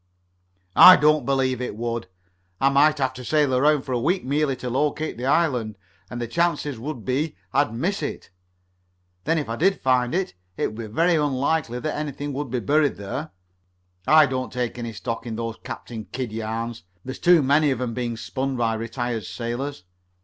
"I don't believe I would. I might have to sail around for a week merely to locate the island, and the chances would be I'd miss it. Then if I did find it, it would be very unlikely that anything would be buried there. I don't take any stock in those Captain Kidd yarns. There's too many of 'em being spun by retired sailors.